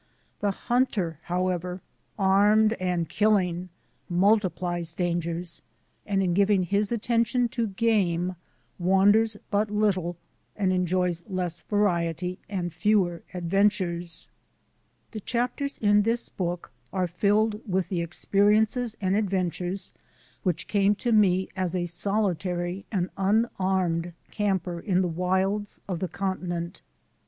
The hunter, however, armed and killing, multiplies dangers, and in giving his attention to game wanders but little and enjoys less variety and fewer adventures. The chapters in this book are filled with the ex periences and adventures which came to me as a solitary and unarmed camper in the wilds of the continent.